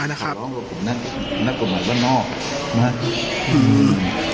อ่านะครับนักกฎหมายบ้านนอกนะฮะอืม